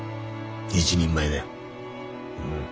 一人前だよ。